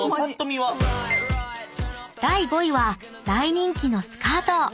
［第５位は大人気のスカート］